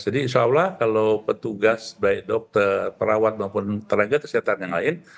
jadi insya allah kalau petugas baik dokter perawat maupun tenaga kesehatan yang lain